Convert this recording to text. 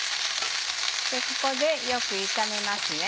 ここでよく炒めます。